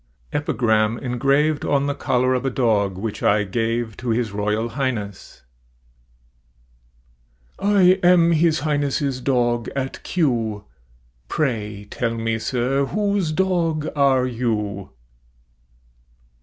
EPIGRAM, ENGRAVED ON THE COLLAR OF A DOG WHICH I GAVE TO HIS ROYAL HIGHNESS. I am His Highness' dog at Kew; Pray tell me, sir, whose dog are you?